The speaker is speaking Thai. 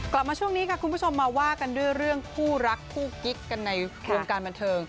กลับมาช่วงนี้ค่ะคุณผู้ชมมาว่ากันด้วยเรื่องคู่รักคู่กิ๊กกันในวงการบันเทิง